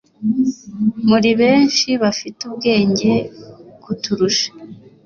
muri benshi bafite ubwenge kuturusha